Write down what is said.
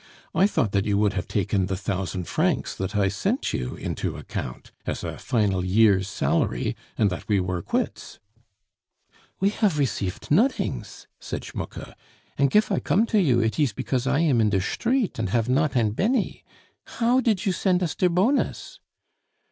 I thought that you would have taken the thousand francs that I sent you into account, as a final year's salary, and that we were quits." "We haf receifed nodings," said Schmucke; "und gif I komm to you, it ees because I am in der shtreet, und haf not ein benny. How did you send us der bonus?"